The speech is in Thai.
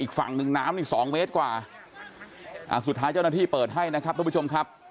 อีกฝั่งหนึ่งน้ำนี้สองเวชกว่าอ่ะสุดท้ายเจ้าหน้าที่เปิดให้นะครับ